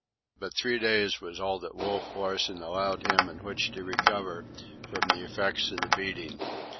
But three days was all Wolf Larsen allowed him in which to recover from the effects of the beating.